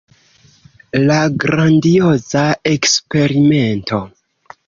La grandioza Eksperimento.